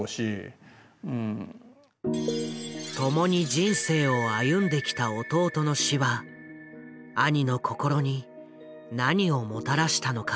共に人生を歩んできた弟の死は兄の心に何をもたらしたのか？